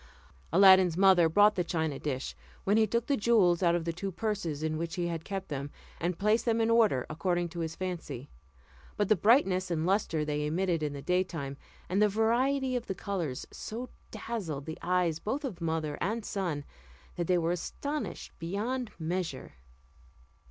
Aladdin's mother brought the china dish, when he took the jewels out of the two purses in which he had kept them, and placed them in order, according to his fancy. But the brightness and lustre they emitted in the daytime, and the variety of the colours, so dazzled the eyes both of mother and son, that they were astonished beyond measure.